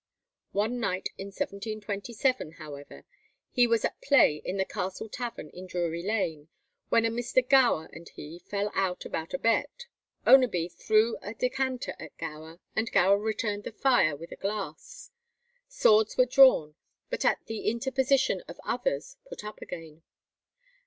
One night in 1727, however, he was at play in the Castle Tavern in Drury Lane, when a Mr. Gower and he fell out about a bet. Oneby threw a decanter at Gower, and Gower returned the fire with a glass. Swords were drawn, but at the interposition of others put up again.